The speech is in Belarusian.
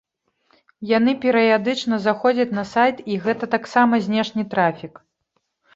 Яны перыядычна заходзяць на сайт і гэта таксама знешні трафік.